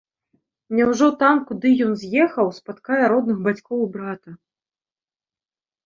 Няўжо там, куды ён з'ехаў, спаткае родных бацькоў і брата.